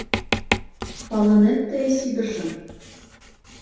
“Палынет тые Сидыржым?